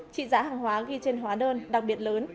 trị giá hàng hóa ghi trên hóa đơn đặc biệt lớn